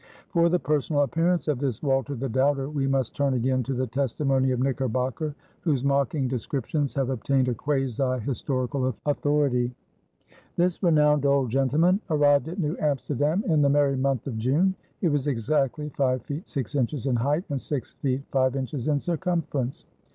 For the personal appearance of this "Walter the Doubter," we must turn again to the testimony of Knickerbocker, whose mocking descriptions have obtained a quasi historical authority: This renowned old gentleman arrived at New Amsterdam in the merry month of June.... He was exactly five feet six inches in height and six feet five inches in circumference.